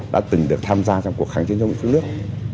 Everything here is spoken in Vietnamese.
đã từng được tham gia trong cuộc kháng chiến trong nước